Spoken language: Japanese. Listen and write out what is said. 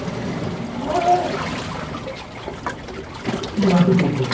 今出て行った男